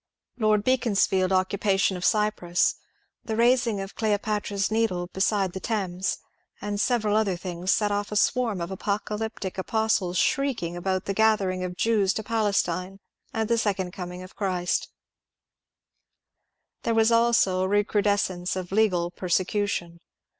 Lord Beaoonsfield's oooupation of Cyprus, the raising of Cleopatra's Needle beside the Thames, and sev eral other things, set off a swarm of apocalyptic aposdes shrieking about the gathering of Jews to Palestine and the Second Coming of Christ There was also a recrudescence of legal persecution.